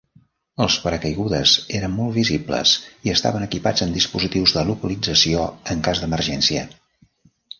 Els paracaigudes eren molt visibles i estaven equipats amb dispositius de localització en cas d'emergència.